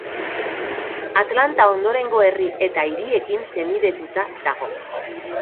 Atlanta ondorengo herri eta hiriekin senidetuta dago.